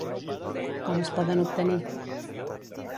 Com es poden obtenir?